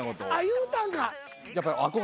言うたんか？